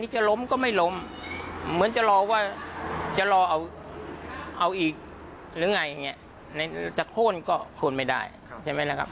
หรือไงอย่างนี้จะโฆษก็โฆษไม่ได้ใช่ไหมล่ะครับ